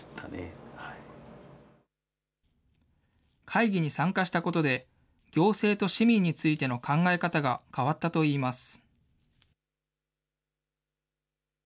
会議に参加したことで、行政と市民についての考え方が変わったといいます。